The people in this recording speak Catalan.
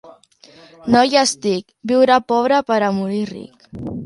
No hi estic, viure pobre per a morir ric.